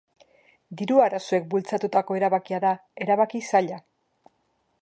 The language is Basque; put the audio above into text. Diru arazoek bultzatutako erabakia da, erabaki zaila.